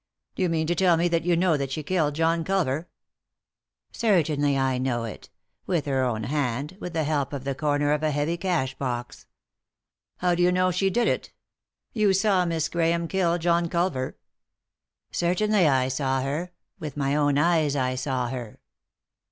" Do you mean to tell me that you know that she killed John Culver ?"" Certainly I know it. With her own hand — with the help of the corner of a heavy cash box." " How do you know she did it ? You saw Miss Grahame kill John Culver ?"" Certainly I saw her — with my own eyes I saw her."